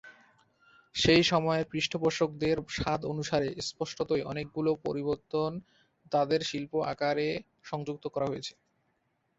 সেই সময়ের পৃষ্ঠপোষকদের স্বাদ অনুসারে স্পষ্টতই অনেকগুলি পরিবর্তন তাদের শিল্প আকারে সংযুক্ত করা হয়েছে।